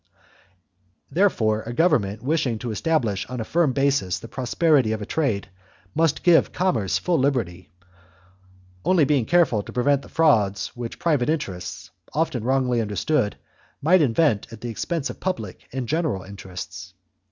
Therefore, a government wishing to establish on a firm basis the prosperity of trade must give commerce full liberty; only being careful to prevent the frauds which private interests, often wrongly understood, might invent at the expense of public and general interests.